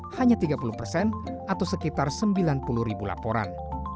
hanya tiga puluh persen atau sekitar sembilan puluh ribu laporan